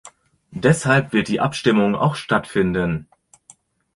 Deshalb wird die Abstimmung auch stattfinden.